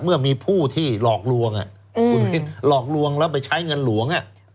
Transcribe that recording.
เมื่อมีผู้ที่หลอกลวงคุณหลอกลวงแล้วไปใช้เงินหลวง